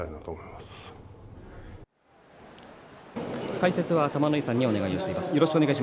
解説は玉ノ井さんにお願いします。